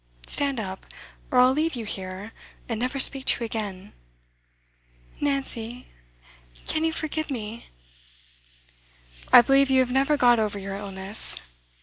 Stand up, or I'll leave you here, and never speak to you again.' 'Nancy can you forgive me?' 'I believe you have never got over your illness.